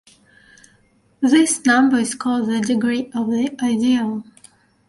This number is called the "degree" of the ideal.